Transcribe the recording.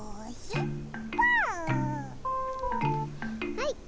はい。